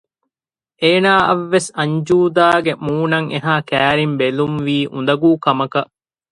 އޭނާއަށް ވެސް އަންޖޫދާގެ މޫނަށް އެހާ ކައިރިން ބެލުންވީ އުނދަގޫ ކަމަކަށް